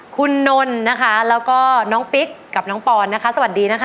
คุณนนท์นะคะแล้วก็น้องปิ๊กกับน้องปอนนะคะสวัสดีนะคะ